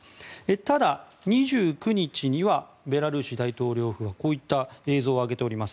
ただ、２９日にはベラルーシ大統領府がこういった映像を上げております。